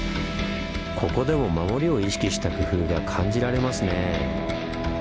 ここでも守りを意識した工夫が感じられますね。